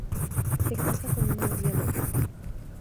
Se casa con una bióloga.